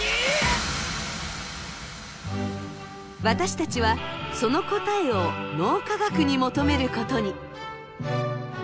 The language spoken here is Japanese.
私たちはその答えを脳科学に求めることに。